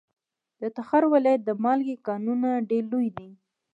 د تخار ولایت د مالګې کانونه ډیر لوی دي.